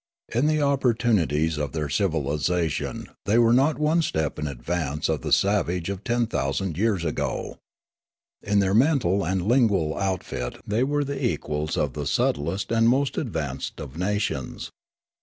In the opportunities of their civilisation they were not one step in advance of the savage often thousand years ago ; in their mental and lingual outfit they were the equals of the subtlest and most advanced of nations.